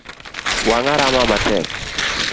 Wanga rama matek.